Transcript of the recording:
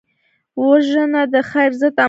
وژنه د خیر ضد عمل دی